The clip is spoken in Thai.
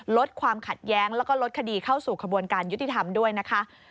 ลดความขัดแย้งแล้วก็ลดคดีเข้าสู่ขบวนการยุติธรรมด้วยนะคะ